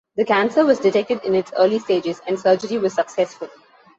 The cancer was detected in its early stages, and surgery was successful.